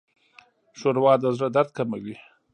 ښوروا د زړه درد کموي.